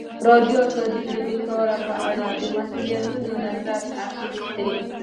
ازادي راډیو د بیکاري په اړه د مسؤلینو نظرونه اخیستي.